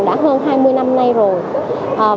đã hơn hai mươi năm nay rồi